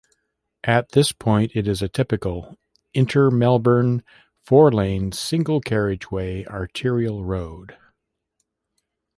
At this point, it is a typical inner-Melbourne, four lane, single carriageway arterial road.